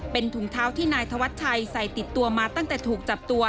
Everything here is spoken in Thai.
เป็นถุงเท้าที่นายธวัชชัยใส่ติดตัวมาตั้งแต่ถูกจับตัว